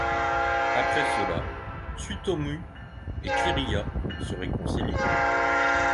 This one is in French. Après cela, Tsutomu et Kiriya se réconcilient.